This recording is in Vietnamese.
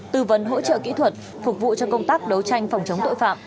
tư vấn hỗ trợ kỹ thuật phục vụ cho công tác đấu tranh phòng chống tội phạm